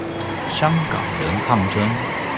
香港人抗爭